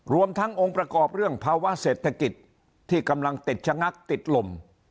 รวมทั้งองค์ประกอบเรื่องภาวะเศรษฐกิจที่กำลังติดชะงักติดลม